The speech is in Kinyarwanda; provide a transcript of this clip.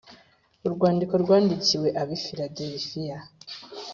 Urwandiko rwandikiwe ab’i Filadelifiya